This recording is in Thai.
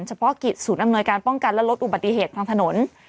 เฉพาะกิจศูนย์อำนวยการป้องกันและลดอุบัติเหตุทางถนน